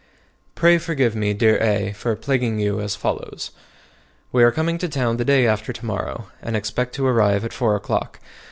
Pray forgive me, dear A. (?), for plaguing you as follows: We are coming to town the day after to morrow, and expect to arrive at four o'clock.